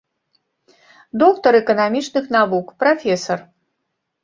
Доктар эканамічных навук, прафесар.